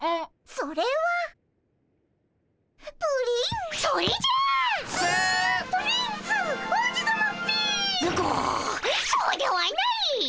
そうではないっ！